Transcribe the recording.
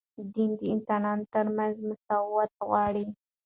دین د انسانانو ترمنځ مساوات غواړي